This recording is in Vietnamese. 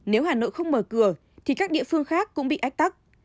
nếu hà nội không mở cửa thì các địa phương khác cũng bị ách tắc